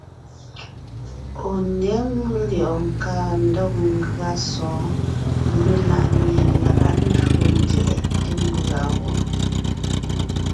Ɔ̀ ně mʉ́ lyɛ̌ʼɔɔn káa ndɔg ngʉa sɔ̌ɔn melaʼmie laga ndÿò ndyɛʼɛ té mbʉ̀a wɔ́.